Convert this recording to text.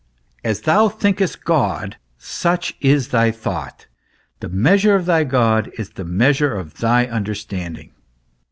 As thou thiiikest God, such is thy thought ; the measure of thy God is the measure of thy understanding.